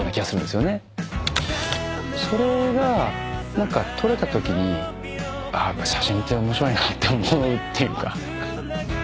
それが何か撮れたときにああやっぱ写真って面白いなって思うっていうか。